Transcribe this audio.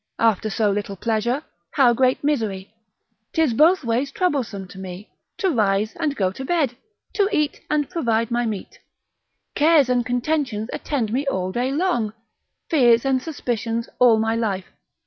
after so little pleasure, how great misery? 'Tis both ways troublesome to me, to rise and go to bed, to eat and provide my meat; cares and contentions attend me all day long, fears and suspicions all my life.